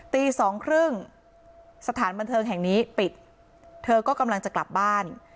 ตีสองครึ่งสถานบันเทิงแห่งนี้ปิดเธอก็กำลังจะกลับบ้าน